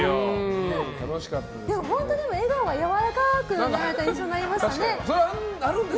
でも本当に笑顔はやわらかくなった印象があります。